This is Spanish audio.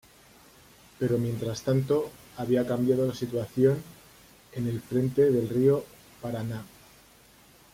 Pero, mientras tanto, había cambiado la situación en el frente del río Paraná.